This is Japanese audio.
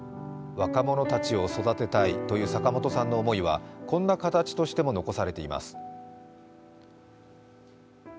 若者たちを育てたいという坂本さんの思いはこんな形としても残されています。